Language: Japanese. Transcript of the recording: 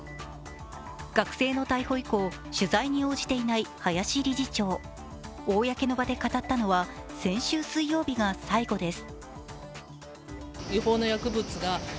学生の逮捕以降、取材に応じていない林理事長、公の場で語ったのは先週水曜日が最後です。